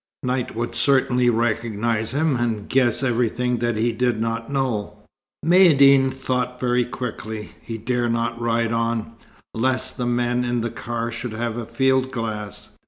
Knight would certainly recognize him, and guess everything that he did not know. Maïeddine thought very quickly. He dared not ride on, lest the men in the car should have a field glass.